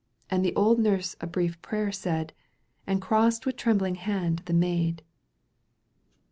— And the old nurse a brief prayer said And crossed with trembling hand the maid.